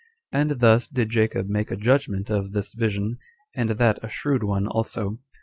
4. And thus did Jacob make a judgment of this vision, and that a shrewd one also.